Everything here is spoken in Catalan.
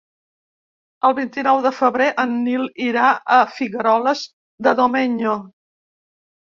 El vint-i-nou de febrer en Nil irà a Figueroles de Domenyo.